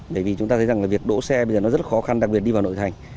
bởi vì chúng ta thấy rằng là việc đỗ xe bây giờ nó rất khó khăn đặc biệt đi vào nội thành